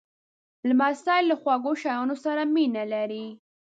لمسی له خواږه شیانو سره مینه لري.